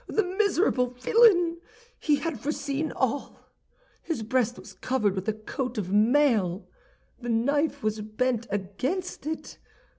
"The miserable villain! He had foreseen all. His breast was covered with a coat of mail; the knife was bent against it.